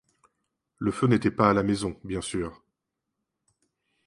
Le feu n'était pas à la maison, bien sûr.